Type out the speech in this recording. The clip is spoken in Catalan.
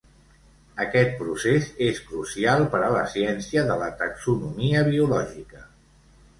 Aquest procés és crucial per a la ciència de la taxonomia biològica.